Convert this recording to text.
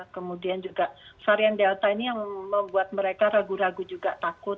kemudian juga varian delta ini yang membuat mereka ragu ragu juga takut